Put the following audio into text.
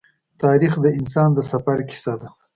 تاریخ د انسان د سفر کیسه ده.